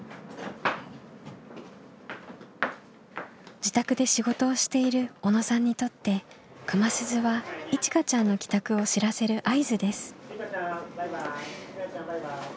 自宅で仕事をしている小野さんにとって熊鈴はいちかちゃんの帰宅を知らせる合図です。